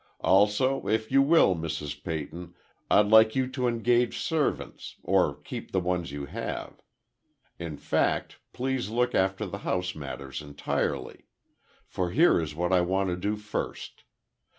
Also, if you will, Mrs. Peyton, I'd like you to engage servants—or keep the ones you have. In fact, please look after the house matters entirely. For, here is what I want to do first.